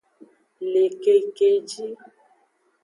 Le kekeji.